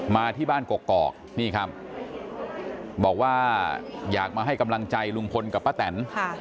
มาที่บ้านกกอกนี่ครับบอกว่าอยากมาให้กำลังใจลุงพลกับป้าแตน